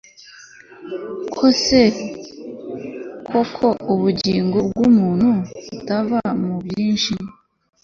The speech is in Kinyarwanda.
kose kuko ubugingo bw umuntu butava mu bwinshi